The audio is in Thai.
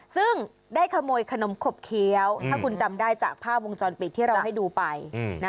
ซึ่งได้ขโมยขนมขบเคี้ยวถ้าคุณจำได้จากภาพวงจรปิดที่เราให้ดูไป